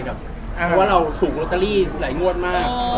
เพราะว่าเราถูกลอตเตอรี่หลายงวดมาก